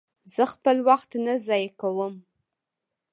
زه خپل وخت نه ضایع کوم.